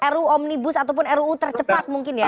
ruu omnibus ataupun ruu tercepat mungkin ya